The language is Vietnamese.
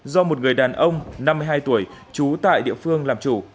do một người đàn ông năm mươi hai tuổi trú tại địa phương làm chủ